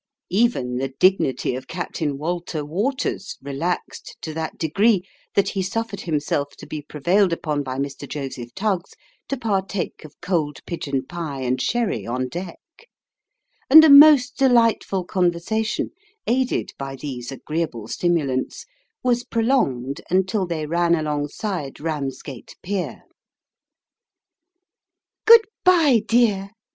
Even the dignity of Captain Walter Waters relaxed, to that degree, that he suffered himself to be prevailed upon by Mr. Joseph Tuggs, to partake 256 Sketches by Boz. of cold pigeon pie and sherry, on deck ; and a most delightful conver sation, aided by these agreeable stimulants, was prolonged, until they ran alongside Eamsgate Pier. " Good by'e, dear